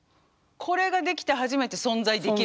これができて初めて存在できると。